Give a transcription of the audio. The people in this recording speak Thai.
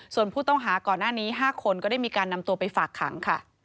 ส่วนผู้ต้องหาก่อนหน้านี้๕คนก็ได้มีการนำตัวไปฝากขังค่ะ